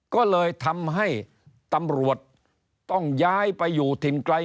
ก็เลยทำให้ตำรวจต้องย้ายไปอยู่ถิ่นไกล